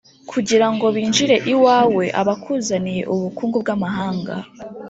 kugira ngo binjire iwawe, abakuzaniye ubukungu bw’amahanga,